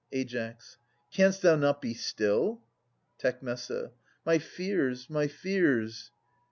Ai. Canst thou not be still? Tec My fears, my fears